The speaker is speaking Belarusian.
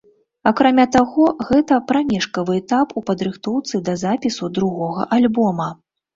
Акрамя таго, гэта прамежкавы этап у падрыхтоўцы да запісу другога альбома.